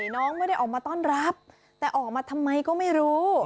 น้องไม่ได้ออกมาต้อนรับแต่ออกมาทำไมก็ไม่รู้